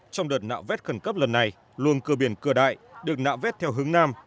trong đợt nạo vét khẩn cấp lần này luồng cửa biển cửa đại được nạo vét theo hướng nam